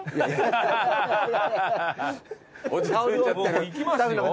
もう行きますよ？